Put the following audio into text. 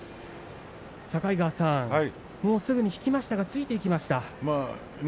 境川さん、すぐに引きましたが突いていきました。